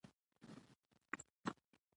تاریخ د یوې پېښې بېلابېلې اړخونه لري.